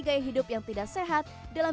gaya hidup yang tidak sehat dalam